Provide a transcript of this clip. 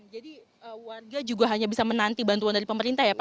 jadi warga juga hanya bisa menanti bantuan dari pemerintah ya pak